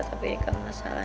tapi enggak masalah